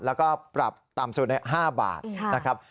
แล้วก็ปรับต่ำสุด๕บาทนะครับ